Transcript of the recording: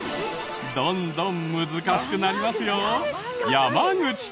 どんどん難しくなりますよ！